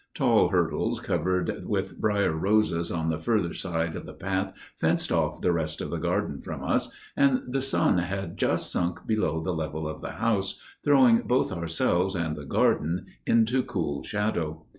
Tall hurdles covered with briar roses on the further side of the path fenced off the rest of the garden from us, and the sun had just sunk below the level of the house, throwing both ourselves and the garden into cool shadow.